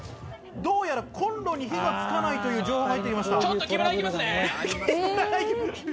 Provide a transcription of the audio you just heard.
どうやらコンロに火がつかないという情報が入ってきました。